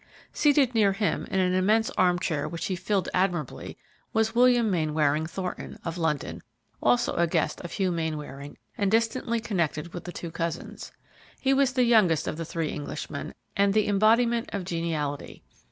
Seated near him, in an immense arm chair which he filled admirably, was William Mainwaring Thornton, of London, also a guest of Hugh Mainwaring and distantly connected with the two cousins. He was the youngest of the three Englishmen and the embodiment of geniality.